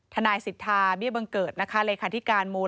ทนายสิทธาเบี้ยบังเกิดนะคะเลขาธิการมูล